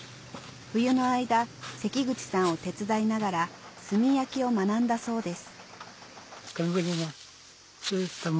冬の間関口さんを手伝いながら炭焼きを学んだそうです